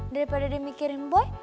daripada dia mikirin boy